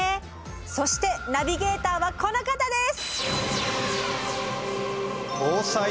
そしてナビゲーターはこの方です。